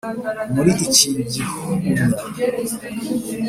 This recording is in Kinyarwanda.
muri iki gihunya,